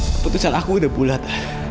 keputusan aku udah bulat